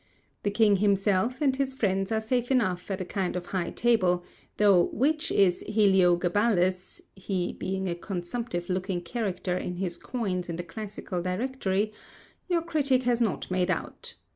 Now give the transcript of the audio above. The King himself, and his friends, are safe enough at a kind of high table; though which is Heliogabalus (he being a consumptive looking character in his coins in the Classical Dictionary) your critic has not made out.